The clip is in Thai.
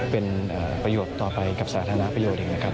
เป็นประโยชน์ต่อไปกับสาธารณประโยชน์เองนะครับ